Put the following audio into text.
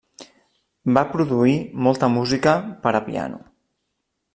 Va produir molta música per a piano.